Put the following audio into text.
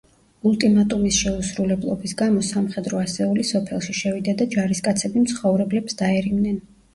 ულტიმატუმის შეუსრულებლობის გამო სამხედრო ასეული სოფელში შევიდა და ჯარისკაცები მცხოვრებლებს დაერივნენ.